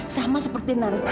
sama seperti narik ambing